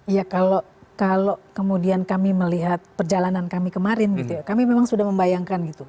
ya kalau kemudian kami melihat perjalanan kami kemarin gitu ya kami memang sudah membayangkan gitu